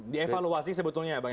dievaluasi sebetulnya ya bang